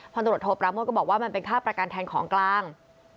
ตรวจโทปราโมทก็บอกว่ามันเป็นค่าประกันแทนของกลาง